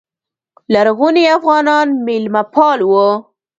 لرغوني افغانان میلمه پال وو